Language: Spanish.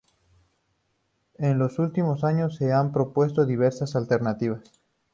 En los últimos años se han propuesto diversas alternativas.